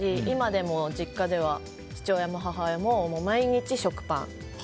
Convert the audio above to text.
今でも実家では父親も母親も毎日、食パン。